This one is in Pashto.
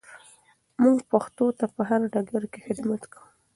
موږ پښتو ته په هر ډګر کې خدمت کوو.